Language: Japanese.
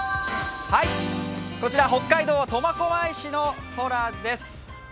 こちら北海道は苫小牧市の空です。